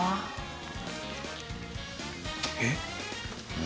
えっ？